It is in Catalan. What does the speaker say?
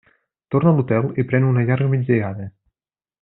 Torna a l'hotel i pren una llarga migdiada.